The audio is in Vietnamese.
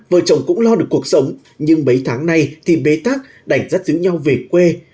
vợ chồng cũng lo được cuộc sống nhưng mấy tháng nay thì bê tắc đành rắt giữ nhau về quê